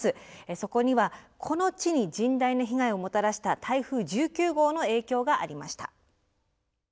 そこにはこの地に甚大な被害をもたらした台風１９号の影響がありました。